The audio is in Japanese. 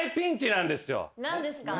何ですか？